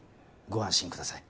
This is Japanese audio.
ご安心ください。